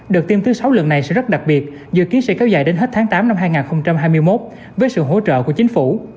đợt tiêm thứ sáu lần này sẽ rất đặc biệt dự kiến sẽ kéo dài đến hết tháng tám năm hai nghìn hai mươi một với sự hỗ trợ của chính phủ